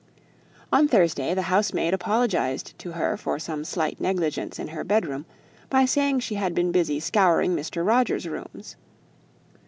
On Thursday, the housemaid apologized to her for some slight negligence in her bedroom, by saying she had been busy scouring Mr. Roger's rooms.